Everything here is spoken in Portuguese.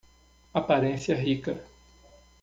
A aparência rica